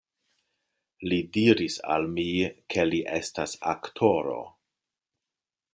Li diris al mi, ke li estas aktoro.